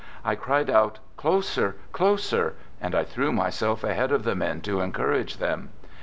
I cried out: "Closer! Closer! "— and I threw myself ahead of the men to encourage them.